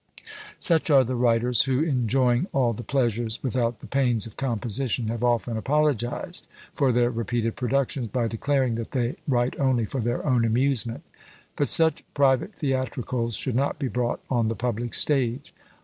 Such are the writers who, enjoying all the pleasures without the pains of composition, have often apologised for their repeated productions, by declaring that they write only for their own amusement; but such private theatricals should not be brought on the public stage.